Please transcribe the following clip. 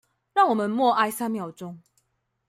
讓我們默哀三秒鐘